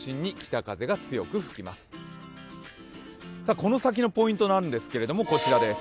この先のポイントなんですけれども、こちらです。